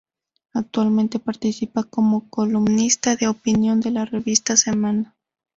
Actualmente participa como columnista de opinión en la Revista Semana.